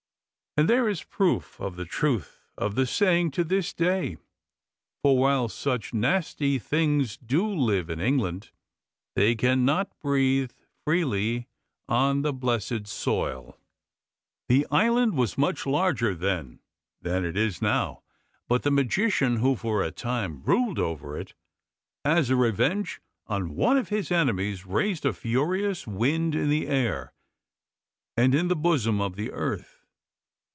And there is proof of the truth of the saying to this day, for while such nasty things do live in England they cannot breathe freely on the blessed soil. The island was much larger then than it is now, but the magician who for a time ruled over it, as a revenge on one of his enemies, raised a furious wind in the air and in the bosom of the earth.